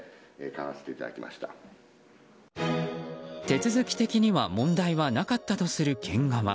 手続き的には問題はなかったとする県側。